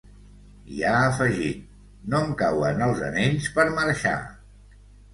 I ha afegit: No em cauen els anells per marxar.